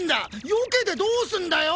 よけてどすんだよ！？